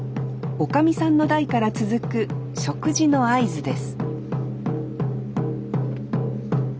おかみさんの代から続く食事の合図です